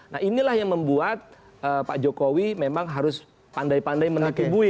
nah inilah yang membuat pak jokowi memang harus pandai pandai menekubui